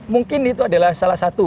mungkin itu adalah salah satu